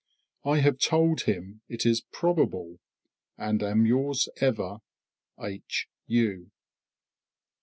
I have told him it is probable, and am yours ever, H. U.